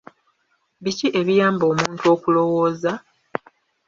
Biki ebiyamba omuntu okulowooza?